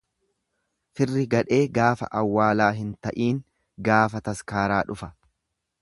Firri gadhee gaafa awwaalaa hin ta'iin gaafa taskaaraa dhufa.